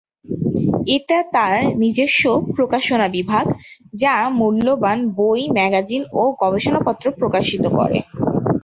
এটা তার নিজস্ব প্রকাশনা বিভাগ যা মূল্যবান বই, ম্যাগাজিন ও গবেষণাপত্র প্রকাশিত করে।